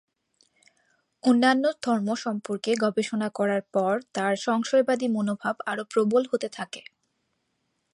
অন্যান্য ধর্ম সম্পর্কে গবেষণা করার পর তার সংশয়বাদী মনোভাব আরো প্রবল হতে থাকে।